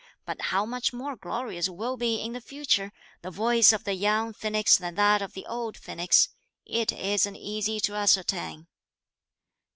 But how much more glorious will be, in the future, the voice of the young phoenix than that of the old phoenix, it isn't easy to ascertain."